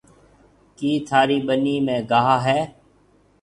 ڪِي ٿارِي ٻنِي ۾ گاها هيَ؟